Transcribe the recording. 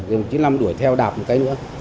thì đồng chí năm đuổi theo đạp một cái nữa